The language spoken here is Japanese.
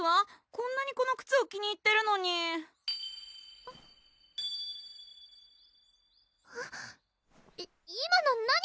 こんなにこの靴を気に入ってるのに・・い今の何？